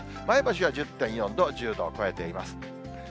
前橋は１０．４度、１０度を超えています。